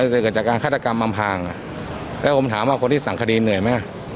เกิดจากการฆาตกรรมอำพางอ่ะแล้วผมถามว่าคนที่สั่งคดีเหนื่อยไหม